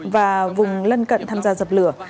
và vùng lân cận tham gia dập lửa